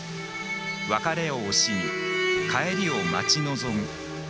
別れを惜しみ、帰りを待ち望む。